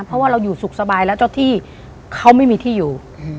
เพราะว่าเราอยู่สุขสบายแล้วเจ้าที่เขาไม่มีที่อยู่